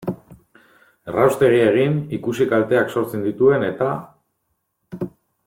Erraustegia egin, ikusi kalteak sortzen dituen eta...